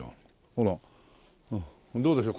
ほらどうでしょう？